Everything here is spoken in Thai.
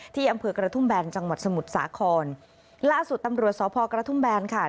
ที่อำเภอกระทุ่มแบนจังหวัดสมุทรสาครล่าสุดตำรวจสพกระทุ่มแบนค่ะ